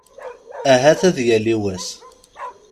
Ahat ad yali wass.